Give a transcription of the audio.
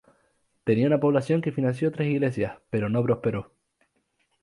Tenía una población que financió tres iglesias, pero no prosperó.